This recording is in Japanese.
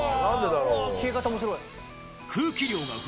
うわ消え方面白い。